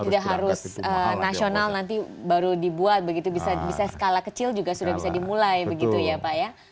jadi tidak harus nasional nanti baru dibuat begitu bisa skala kecil juga sudah bisa dimulai begitu ya pak ya